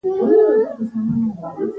پخو کورونو کې سکون وي